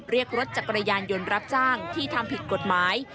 เรียกรถจักรยานยนต์รับจ้างที่ทำผิดกฎหมาย